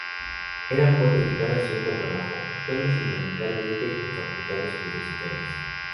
Eran cuatro guitarras y un contrabajo, actuando fundamentalmente en facultades universitarias.